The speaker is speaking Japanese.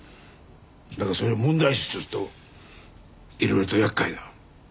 だがそれを問題視するといろいろと厄介だ。